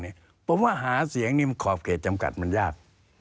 เพราะว่าหาเสียงนี่มันขอบเขตจำกัดมันยาก